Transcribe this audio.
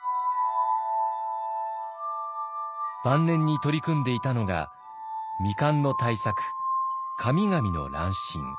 晩年に取り組んでいたのが未完の大作「神々の乱心」。